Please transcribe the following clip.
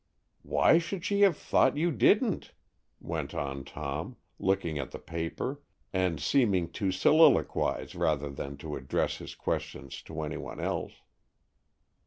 "Why should she have thought you didn't?" went on Tom, looking at the paper, and seeming to soliloquize rather than to address his question to any one else.